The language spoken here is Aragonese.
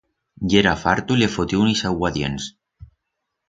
Yera farto y le fotió un ixauguadients.